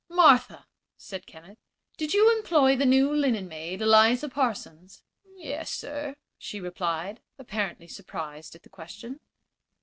"Martha," said Kenneth, "did you employ the new linen maid, Eliza Parsons?" "Yes, sir," she replied, apparently surprised at the question.